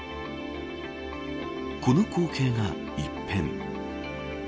この光景が一変。